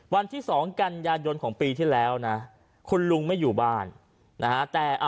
วันที่๒กันยายนของปีที่แล้วนะคุณลุงไม่อยู่บ้านนะฮะ